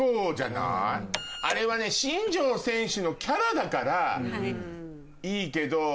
あれは新庄選手のキャラだからいいけど。